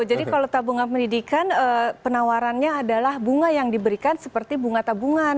jadi kalau tabungan pendidikan penawarannya adalah bunga yang diberikan seperti bunga tabungan